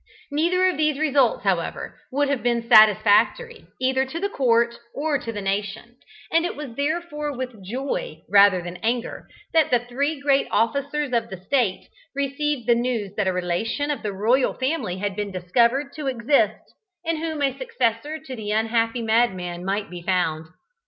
Neither of these results, however, would have been satisfactory, either to the court or to the nation, and it was therefore with joy rather than anger that the three great officers of state received the news that a relation of the royal family had been discovered to exist, in whom a successor to the unhappy madman might be found.